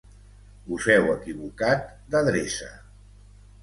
Us heu equivocat d'adreça